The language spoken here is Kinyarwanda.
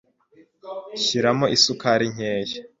Shyiramo isukari nkeya.